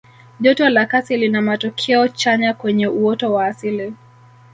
joto la kasi lina matokeo chanya kwenye uoto wa asili